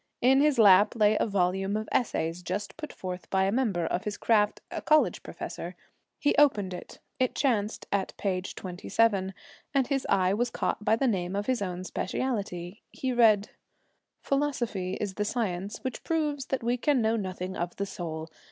In his lap lay a volume of essays just put forth by a member of his craft, a college professor. He opened it, it chanced at page 27, and his eye was caught by the name of his own specialty. He read: 'Philosophy is the science which proves that we can know nothing of the soul.